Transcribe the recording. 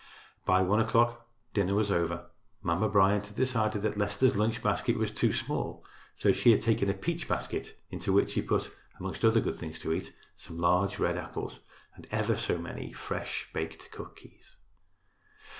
By one o'clock dinner was over. Mamma Bryant had decided that Leicester's lunch basket was too small, so she had taken a peach basket, into which she put, among other good things to eat, some large red apples and ever so many fresh baked cookies.